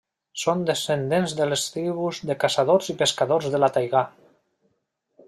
Són descendents de les tribus de caçadors i pescadors de la taigà.